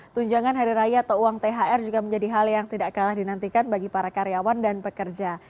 tunjangan hari raya atau uang thr juga menjadi hal yang tidak kalah dinantikan bagi para karyawan dan pekerja